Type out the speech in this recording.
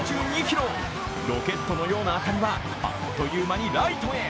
ロケットのような当たりはあっという間にライトへ。